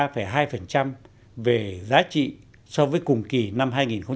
tăng ba mươi ba hai về giá trị so với cùng kỳ năm hai nghìn một mươi bảy